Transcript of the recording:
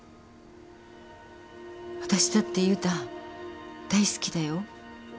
私だって悠太大好きだよ。